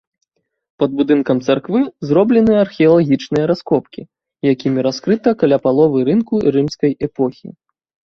Пад будынкам царквы зроблены археалагічныя раскопкі, якімі раскрыта каля паловы рынку рымскай эпохі.